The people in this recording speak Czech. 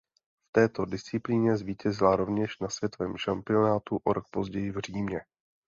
V této disciplíně zvítězila rovněž na světovém šampionátu o rok později v Římě.